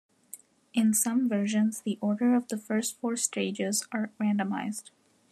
In some versions, the order of the first four stages are randomized.